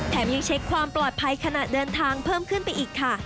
ยังเช็คความปลอดภัยขณะเดินทางเพิ่มขึ้นไปอีกค่ะ